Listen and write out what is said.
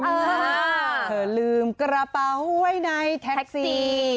เธอลืมกระเป๋าไว้ในแท็กซี่